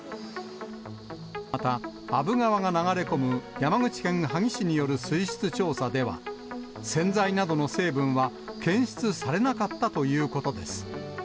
また、阿武川が流れ込む山口県萩市による水質調査では、洗剤などの成分は検出されなかったということです。